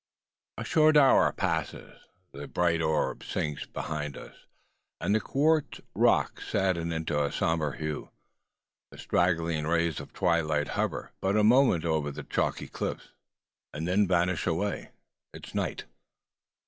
A short hour passes. The bright orb sinks behind us, and the quartz rock saddens into a sombre hue. The straggling rays of twilight hover but a moment over the chalky cliffs, and then vanish away. It is night.